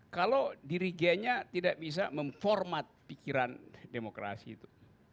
kalau dirigainya tidak bisa memformat pikiran demokrasi itu